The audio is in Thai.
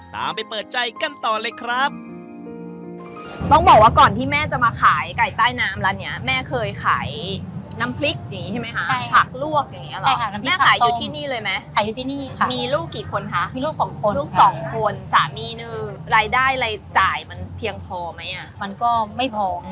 ไปเปิดใจกันต่อเลยครับ